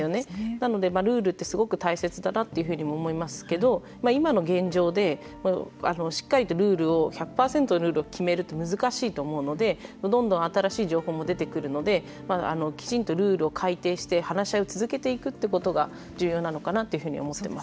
なので、ルールってすごく大切だなというふうにも思いますけど今の現状でしっかりとルールを１００％のルールを決めるって難しいと思うのでどんどん新しい情報も出てくるのできちんとルールを改定して話し合いを続けていくということが重要なのかなというふうに思ってます。